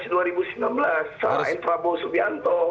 di ppres dua ribu sembilan belas selain prabowo subianto